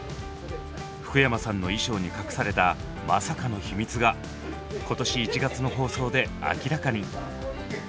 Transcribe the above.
福山さんの衣装に隠されたまさかの秘密が今年１月の放送で明らかに！